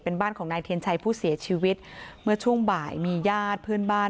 เป็นบ้านของนายเทียนชัยผู้เสียชีวิตเมื่อช่วงบ่ายมีญาติเพื่อนบ้าน